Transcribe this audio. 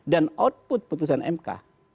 dan output putusan mk